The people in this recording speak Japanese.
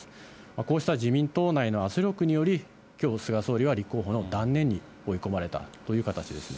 こうした自民党内の圧力により、きょう、菅総理は立候補の断念に追い込まれたという形ですね。